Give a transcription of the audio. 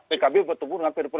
pks bertemu dengan pdip